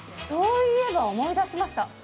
そういえば思い出しました。